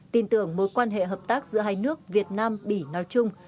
tin tưởng mối quan hệ hợp tác giữa hai nước việt nam bỉ nói chung